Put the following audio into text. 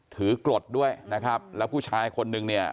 กรดด้วยนะครับแล้วผู้ชายคนนึงเนี่ย